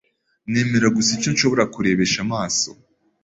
nemera gusa icyo nshobora kurebesha amaso,